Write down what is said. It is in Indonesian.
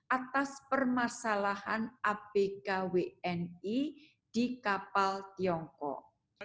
atas permasalahan abk wni di kapal tiongkok